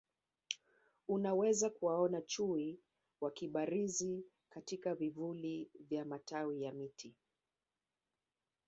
Unaweza kuwaona Chui wakibarizi katika vivuli vya matawi ya miti